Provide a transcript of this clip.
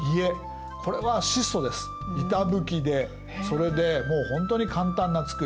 板ぶきでそれでもうほんとに簡単な造り。